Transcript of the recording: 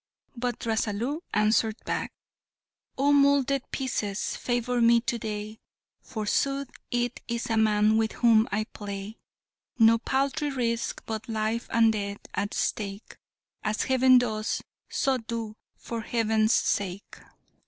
But Rasalu answered back, "Oh moulded pieces! favour me to day! For sooth it is a man with whom I play. No paltry risk but life and death at stake; As Heaven does, so do, for Heaven's sake!"